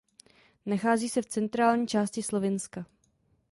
Nachází se v centrální části Slovinska.